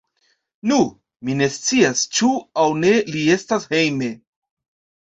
Nu, mi ne scias, ĉu aŭ ne li estas hejme.